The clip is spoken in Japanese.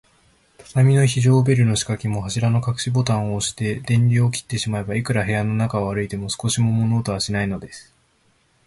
畳の非常ベルのしかけも、柱のかくしボタンをおして、電流を切ってしまえば、いくら部屋の中を歩いても、少しも物音はしないのです。